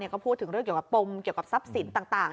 ก็พูดถึงเรื่องเกี่ยวกับปมเกี่ยวกับทรัพย์สินต่าง